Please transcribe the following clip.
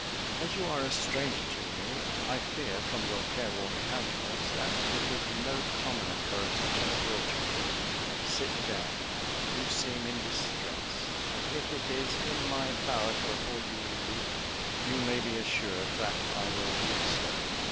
"As you are a stranger to me, I fear, from your careworn countenance, that it is no common occurrence which has brought you here. Sit down: you seem in distress; and if it is in my power to afford you relief, you may be assured that I will do so."